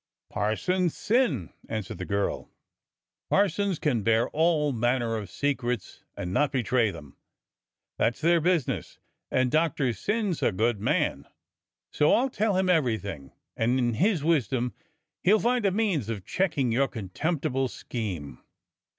"Parson Syn," answered the girl. "Parsons can bear all manner of secrets and not betray them. That's their business, and Doctor Syn's a good man, so I'll tell him everything, and in his wisdom he'll find a means of checking your contemptible scheme."